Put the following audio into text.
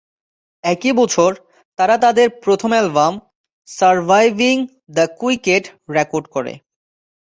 একই বছর তারা তাদের প্রথম album "Surviving the Quiet" record করে।